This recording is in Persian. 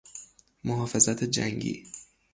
محافظت جنگی